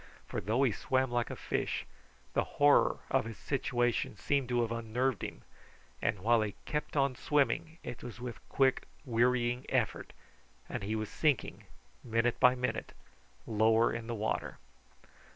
For though he swam like a fish, the horror of his situation seemed to have unnerved him, and while he kept on swimming, it was with quick wearying effort, and he was sinking minute by minute lower in the water.